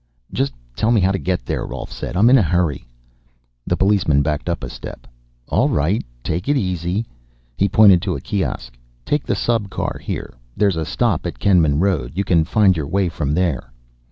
"Just tell me how to get there," Rolf said. "I'm in a hurry." The policeman backed up a step. "All right, take it easy." He pointed to a kiosk. "Take the subcar here. There's a stop at Kenman Road. You can find your way from there."